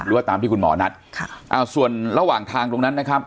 หรือว่าตามที่คุณหมอนัดค่ะอ่าส่วนระหว่างทางตรงนั้นนะครับ